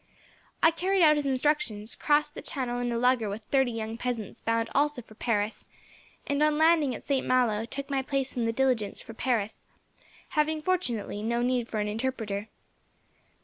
"I carried out his instructions, crossed the channel in a lugger with thirty young peasants, bound also for Paris, and, on landing at Saint Malo, took my place in the diligence for Paris; having, fortunately, no need for an interpreter.